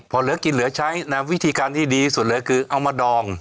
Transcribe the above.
พอเหลือกินเหลือใช้วิธีการที่ดีสุดเลยคือเอามาดอง